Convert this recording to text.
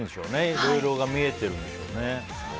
いろいろ見えてるんでしょうね。